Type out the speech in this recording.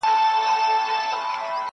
چي نه په ویښه نه په خوب یې وي بګړۍ لیدلې!.